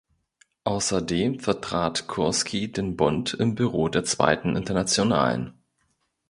Außerdem vertrat Kurski den „Bund“ im Büro der Zweiten Internationalen.